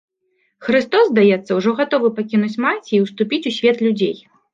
Хрыстос, здаецца, ужо гатовы пакінуць маці і ўступіць у свет людзей.